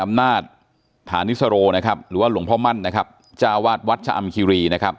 อำนาจฐานิสโรนะครับหรือว่าหลวงพ่อมั่นนะครับจ้าวาดวัดชะอำคิรีนะครับ